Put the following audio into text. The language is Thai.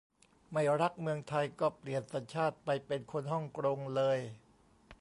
ไม่รักเมืองไทย ก็เปลี่ยนสัญชาติไปเป็นคนห้องกรงเลย !